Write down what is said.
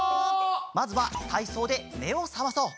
まずはたいそうでめをさまそう！